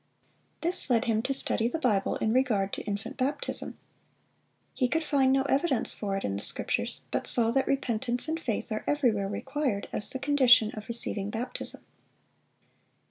This led him to study the Bible in regard to infant baptism. He could find no evidence for it in the Scriptures, but saw that repentance and faith are everywhere required as the condition of receiving baptism.